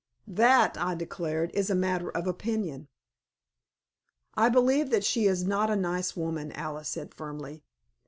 "That," I declared, "is a matter of opinion." "I believe that she is not a nice woman," Alice said, firmly.